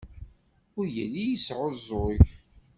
Ur yelli yesɛuẓẓug.